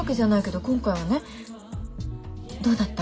どうだった？